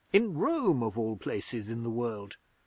In Rome of all places in the world!